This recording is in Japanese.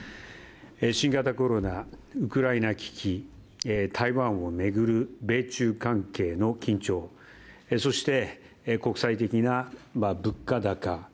新型コロナ、ウクライナ危機、台湾を巡る米中関係の緊張そして国際的な物価高